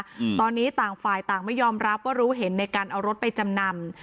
อืมตอนนี้ต่างฝ่ายต่างไม่ยอมรับว่ารู้เห็นในการเอารถไปจำนำ